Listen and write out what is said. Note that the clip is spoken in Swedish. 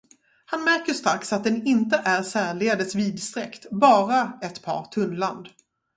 Han märker strax, att den inte är särdeles vidsträckt, bara ett par tunnland.